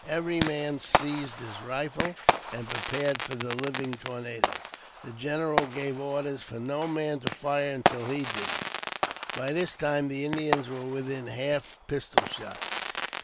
Every man seized his rifle, and pre pared for the living tornado. The general gave orders for no man to fire until he did. By this time the Indians were within half pistol shot.